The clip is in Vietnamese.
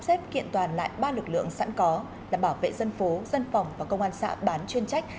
xếp kiện toàn lại ba lực lượng sẵn có là bảo vệ dân phố dân phòng và công an xã bán chuyên trách